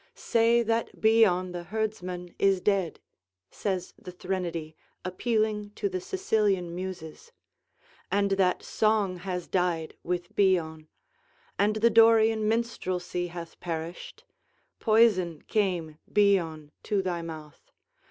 "Say that Bion the herdsman is dead," says the threnody, appealing to the Sicilian muses, "and that song has died with Bion, and the Dorian minstrelsy hath perished.... Poison came, Bion, to thy mouth.